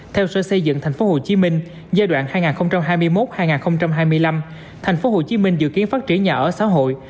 theo sở xây dựng tp hcm giai đoạn hai nghìn hai mươi một hai nghìn hai mươi năm tp hcm dự kiến phát triển nhà ở xã hội